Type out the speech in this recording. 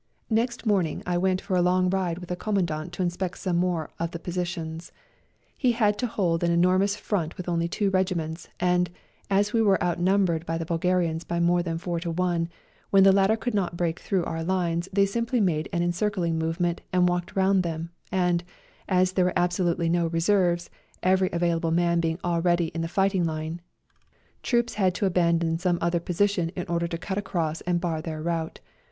Next morning I went for a long ride with the Commandant to inspect some A RIDE TO KALABAC 63 more of the positions. He had to hold an enormous front with only two regiments, and, as we were outnumbered by the Bulgarians by more than four to one, when the latter could not break through our lines they simply made an encircling movement and walked round them, and, as there were absolutely no reserves, every available man being already in the fighting line, troops had to abandon some other position in order to cut across and bar their route.